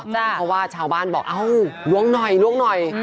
เพราะว่าชาวบ้านบอกเอ้าล้วงหน่อย